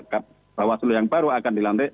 dan kpu bawaslu yang baru akan dilantik